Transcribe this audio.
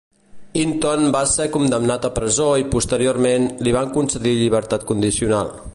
Hinton va ser condemnat a presó i posteriorment, li van concedir llibertat condicional.